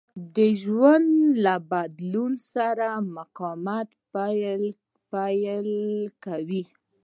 د ژوند له بدلون سره مقاومت پيلوي.